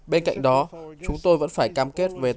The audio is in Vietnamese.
bên cạnh đó chúng tôi vẫn phải cam kết với khách hàng